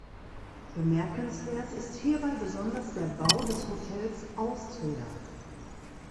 Bemerkenswert ist hierbei besonders der Bau des Hotels Austria.